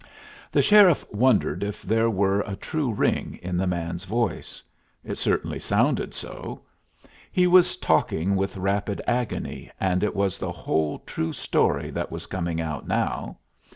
The sheriff wondered if there were a true ring in the man's voice. It certainly sounded so. He was talking with rapid agony, and it was the whole true story that was coming out now.